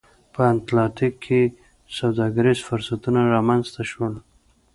په اتلانتیک کې سوداګریز فرصتونه رامنځته شول